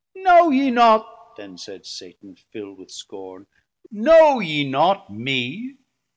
Know ye not then said Satan, filld with scorn, Know ye not me?